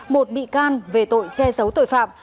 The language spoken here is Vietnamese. một bị can về tội che giấu tội phạm